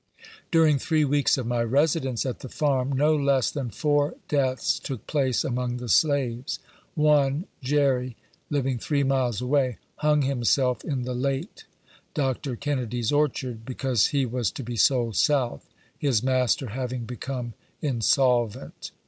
During three weeks of my residence at the Farm, no less than four deaths took place among the slaves; one, Jerry, living three miles away, hung himself in the late Dr. Ken nedy's orchard, because he was to be sold South, his master having become insolvent.